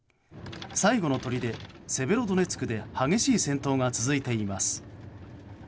最後のとりでセベロドネツクで激しい戦闘が続いています。